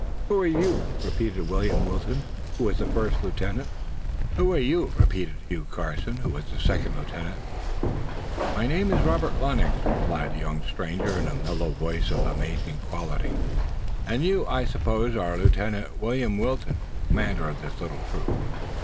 "Who are you?" repeated William Wilton, who was the first lieutenant. "Who are you?" repeated Hugh Carson, who was the second lieutenant. "My name is Robert Lennox," replied the young stranger in a mellow voice of amazing quality, "and you, I suppose, are Lieutenant William Wilton, the commander of this little troop."